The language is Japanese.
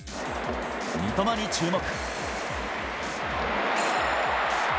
三笘に注目。